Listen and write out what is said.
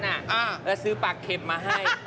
แล้วซื้อปากเข็มมาให้